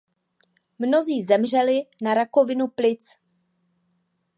Mnozí zemřeli na rakovinu plic.